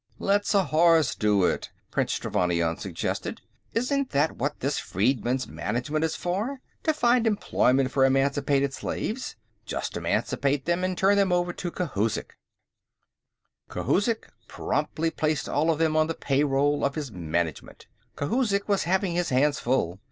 "Let Zhorzh do it," Prince Trevannion suggested. "Isn't that what this Freedmen's Management is for; to find employment for emancipated slaves? Just emancipate them and turn them over to Khouzhik." Khouzhik promptly placed all of them on the payroll of his Management. Khouzhik was having his hands full.